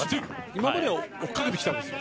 今までは追いかけてきたんですよ。